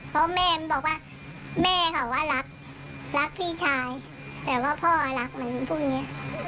เพราะแม่มันบอกว่าแม่เขาว่ารักรักพี่ชายแต่ว่าพ่อรักมันพวกนี้